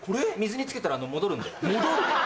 戻る？